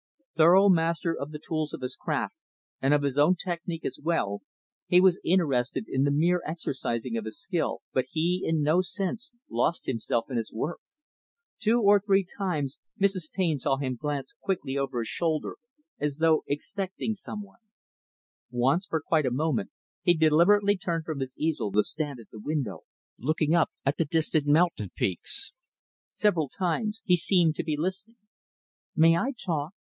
Thorough master of the tools of his craft, and of his own technic, as well; he was interested in the mere exercising of his skill, but he in no sense lost himself in his work. Two or three times, Mrs. Taine saw him glance quickly over his shoulder, as though expecting some one. Once, for quite a moment, he deliberately turned from his easel to stand at the window, looking up at the distant mountain peaks. Several times, he seemed to be listening. "May I talk?"